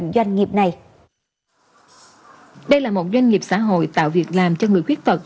đây là một doanh nghiệp xã hội tạo việc làm cho người khuyết tật